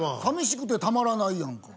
「淋しくてたまらない」やんか。